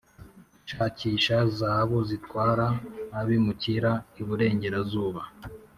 shakisha zahabu zitwara abimukira iburengerazuba